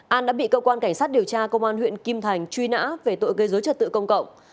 an đã bị cơ quan cảnh sát điều tra công an huyện kim thành truy nã về tội gây dối trật tự công cộng